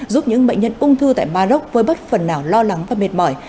giúp những bệnh nhân ung thư tại mà rốc với bất phần nào lo lắng và mệt mỏi